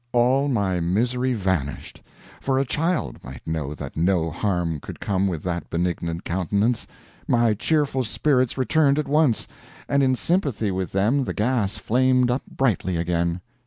All my misery vanished for a child might know that no harm could come with that benignant countenance. My cheerful spirits returned at once, and in sympathy with them the gas flamed up brightly again.